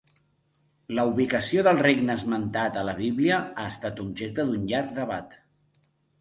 La ubicació del regne esmentat a la bíblia ha estat objecte d'un llarg debat.